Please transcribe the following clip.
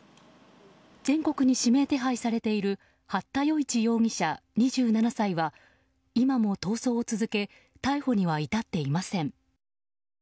全国に指名手配されている八田與一容疑者、２７歳は今も逃走を続け逮捕には至っていません。